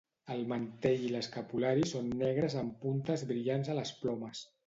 El mantell i l'escapulari són negres amb puntes brillants a les plomes.